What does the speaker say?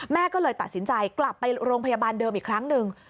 ก็เลยตัดสินใจกลับไปโรงพยาบาลเดิมอีกครั้งหนึ่ง